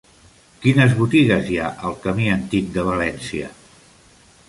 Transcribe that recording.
Quines botigues hi ha al camí Antic de València?